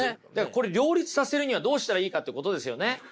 これ両立させるにはどうしたらいいかってことですよね。